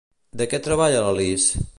De què treballa l'Alice?